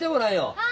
・はい！